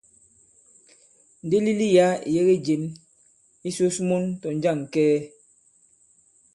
Ndilili yǎ ì yege jěm. Ǐ sǔs mun tɔ̀ jȃŋ kɛɛ.